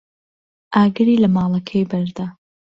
ئاگری لە ماڵەکەی بەردا.